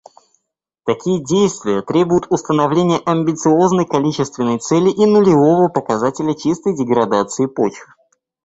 Такие действия требуют установления амбициозной количественной цели и нулевого показателя чистой деградации почв.